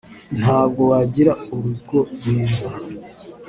ntabwo wagira urugo rwiza